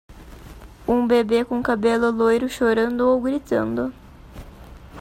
Um bebê com cabelo loiro chorando ou gritando.